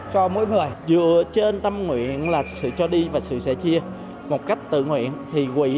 chúng tôi tự nguyện để góp quỹ